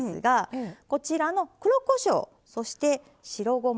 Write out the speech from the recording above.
こちらの黒こしょうそして白ごま。